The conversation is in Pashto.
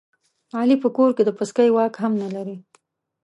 علي په کور کې د پسکې واک هم نه لري.